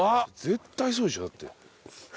絶対そうでしょだって。